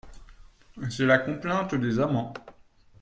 C’est la complainte des amants.